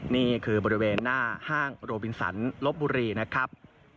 นี่คือบริเวณหน้าห้างโรบินสันลบบุรีนะครับ